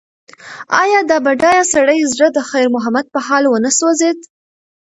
ایا د بډایه سړي زړه د خیر محمد په حال ونه سوځېد؟